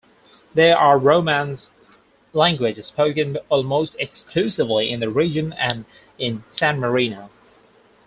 They are Romance languages spoken almost exclusively in the region and in San Marino.